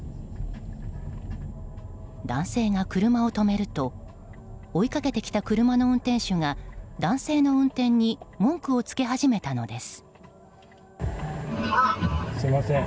男性が車を止めると追いかけてきた車の運転手が男性の運転に文句を付け始めたのです。